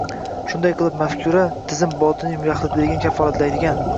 Shunday qilib mafkura - tizim botiniy yaxlitligini kafolatlaydigan